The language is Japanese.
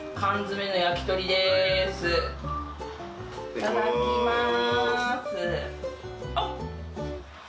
いただきます。